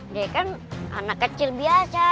dia kan anak kecil biasa